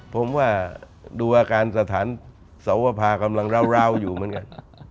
ผมว่าดูอาการสถานสวภากำลังราวอยู่เหมือนกัน